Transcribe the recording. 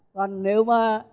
còn nếu mà